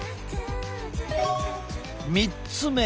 ３つ目。